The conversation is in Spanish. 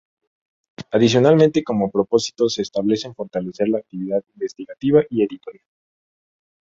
Adicionalmente como propósitos se establecen fortalecer la actividad investigativa y editorial.